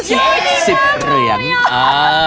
เยอะที่เยอะ